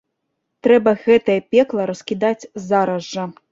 Трэба гэтае пекла раскідаць зараз жа.